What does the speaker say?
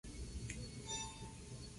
Los oficiales los masacraron.